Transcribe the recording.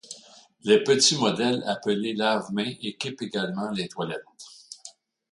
Les petits modèles appelés lave-mains équipent également les toilettes.